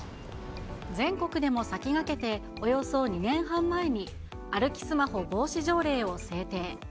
全国でも先駆けておよそ２年半前に歩きスマホ防止条例を制定。